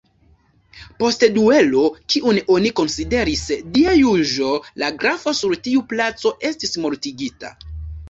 Post duelo, kiun oni konsideris Dia juĝo, la grafo sur tiu placo estis mortigita.